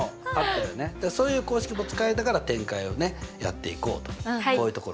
そういう公式も使いながら展開をねやっていこうとこういうところかな。